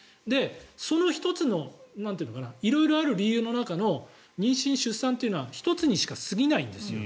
その１つの色々ある理由の中の妊娠・出産というのは１つにしか過ぎないんですよね。